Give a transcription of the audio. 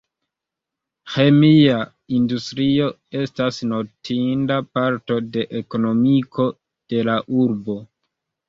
Ĥemia industrio estas notinda parto de ekonomiko de la urbo.